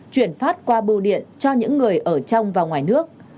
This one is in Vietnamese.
chuyển phát qua bưu điện cho những người ở trong và ngoài nước